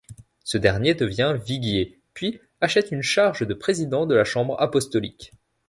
Ce dernier devient viguier, puis achète une charge de président de la Chambre apostolique.